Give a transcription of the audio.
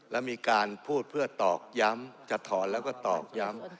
แล้วมีการพูดเพื่อตอกย้ำจะถอนแล้วก็ตอกย้ำ